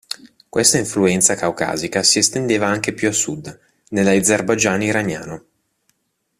Questa influenza caucasica si estendeva anche più a sud, nell'Azerbaigian iraniano.